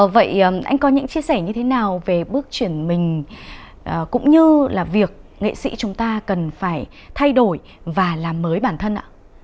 vậy anh có những chia sẻ như thế nào về bước chuyển mình cũng như là việc nghệ sĩ chúng ta cần phải thay đổi và làm mới bản thân ạ